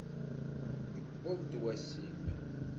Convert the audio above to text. Yewweḍ-d wass-im!